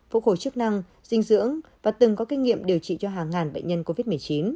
phục hồi chức năng dinh dưỡng và từng có kinh nghiệm điều trị cho hàng ngàn bệnh nhân covid một mươi chín